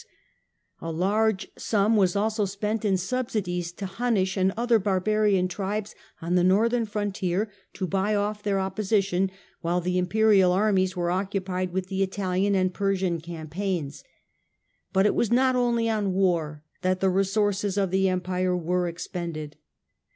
lust in ifm's A large sum was also spent in subsidies to Hunnish and, buildings ^ er barbarian tribes on the northern frontier to bu^ off their opposition, while the Imperial armies werB occupied with the Italian and Persian campaigns. But it was not only on war that the resources of the Empire were expended.